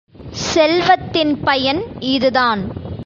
செல்வத்தின் பயன் இதுதான்.